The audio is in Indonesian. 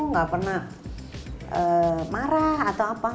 nggak pernah marah atau apa